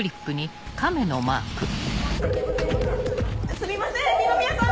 すみません二宮さん！